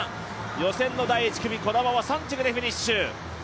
予選の第１組児玉は３着でフィニッシュ。